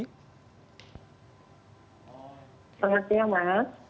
selamat siang mas